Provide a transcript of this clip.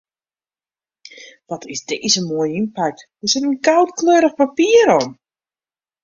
Wat is dizze moai ynpakt, der sit in goudkleurich papier om.